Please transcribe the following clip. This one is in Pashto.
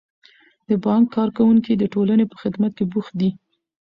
د بانک کارکوونکي د ټولنې په خدمت کې بوخت دي.